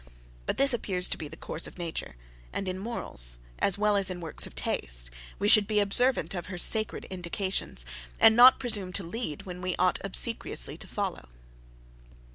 But this appears to be the course of nature; and in morals, as well as in works of taste, we should be observant of her sacred indications, and not presume to lead when we ought obsequiously to follow.